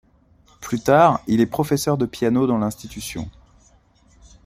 Plus tard, il est professeur de piano dans l'institution.